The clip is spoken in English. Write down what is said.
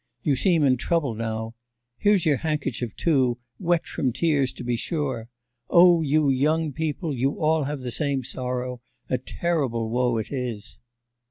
You seem in trouble now. Here's your handkerchief, too, wet from tears to be sure. Oh, you young people, you all have the same sorrow, a terrible woe it is!